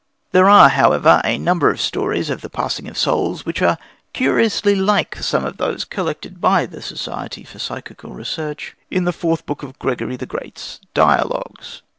There are, however, a number of stories of the passing of souls, which are curiously like some of those collected by the Society for Psychical Research, in the Fourth Book of Gregory the Great's Dialogues.